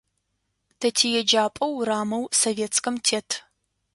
Тэ тиеджапӏэ урамэу Советскэм тет.